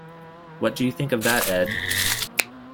What do you think of that, Ed?